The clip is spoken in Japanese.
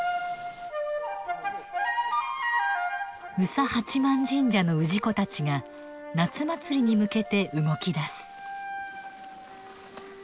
宇佐八幡神社の氏子たちが夏祭りに向けて動きだす。